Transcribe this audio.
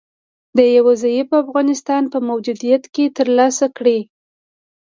د یو ضعیفه افغانستان په موجودیت کې تر لاسه کړي